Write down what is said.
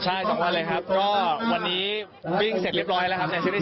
ใช่๒วันเลยครับก็วันนี้วิ่งเสร็จเรียบร้อยแล้วครับในชีวิต